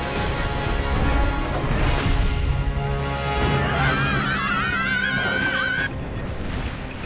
うわあ！